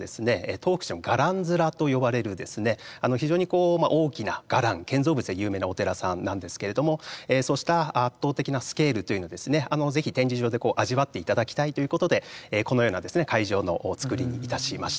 東福寺の伽藍面と呼ばれる非常に大きな伽藍建造物で有名なお寺さんなんですけれどもそうした圧倒的なスケールというのを是非展示場で味わっていただきたいということでこのような会場の作りにいたしました。